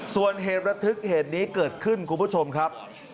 ส่วนเหตุระทึกเหตุนี้เกิดขึ้นคุณผู้ชมครับ